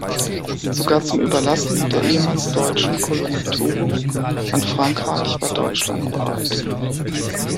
Sogar zum Überlassen der ehemals deutsche Kolonie Togo an Frankreich war Deutschland bereit.